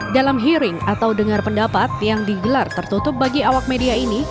dalam hearing atau dengar pendapat yang digelar tertutup bagi awak media ini